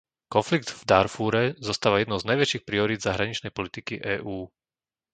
Konflikt v Dárfúre zostáva jednou z najväčších priorít zahraničnej politiky EÚ.